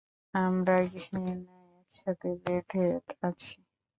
আমরা ঘৃণায় একসাথে বেঁধে আছি।